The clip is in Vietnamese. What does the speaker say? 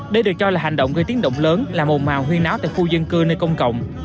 đây được cho là hành động gây tiếng động lớn làm màu màu huyên áo tại khu dân cư nơi công cộng